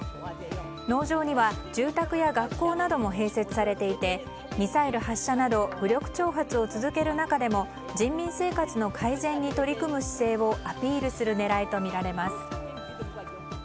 農場には住宅や学校なども併設されていてミサイル発射など武力挑発を続ける中でも人民生活の改善に取り組む姿勢をアピールする狙いとみられます。